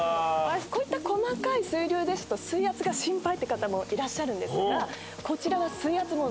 こういった細かい水流ですと水圧が心配って方もいらっしゃるんですがこちらは。